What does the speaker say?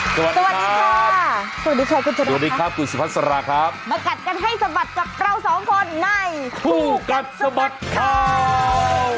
สวัสดีครับกุญศิพัฒนาศรราครับมาขัดกันให้สบัดจากเราสองคนในผู้กัดสบัดเข้า